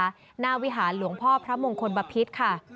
หน้าวิหารหลวงพ่อพระมงคลบพิษค่ะ